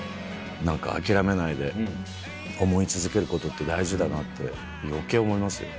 何か諦めないで思い続けることって大事だなって余計思いますよね。